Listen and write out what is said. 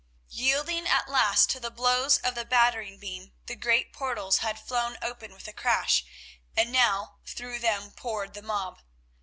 Yielding at last to the blows of the battering beam, the great portals had flown open with a crash, and now through them poured the mob.